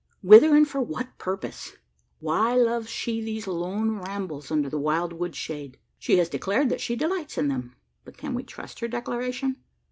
Whither, and for what purpose? Why loves she these lone rambles under the wild wood shade? She has declared that she delights in them; but can we trust her declaration?